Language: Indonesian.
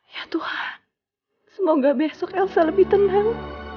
ya tuhan semoga besok elsa lebih tenang